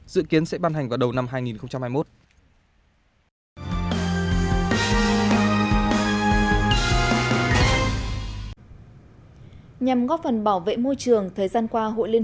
dự kiến sẽ ban hành vào đầu tiên